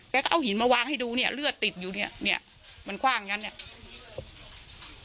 ก็เอาหินมาวางให้ดูเนี่ยเลือดติดอยู่เนี่ยเนี่ยมันคว่างอย่างนั้นเนี่ย